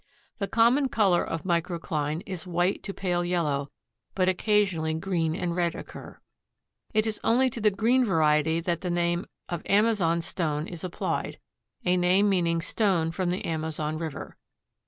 The common color of microcline is white to pale yellow, but occasionally green and red occur. It is only to the green variety that the name of amazonstone is applied, a name meaning stone from the Amazon river.